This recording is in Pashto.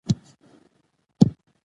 ځینې ویډیوګانې د واقعیت نښې پټوي.